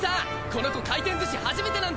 この子回転寿司初めてなんだ。